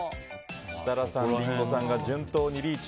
設楽さん、リンゴさんが順当にリーチ。